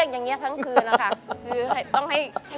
คุณหมอบอกว่าเอาไปพักฟื้นที่บ้านได้แล้ว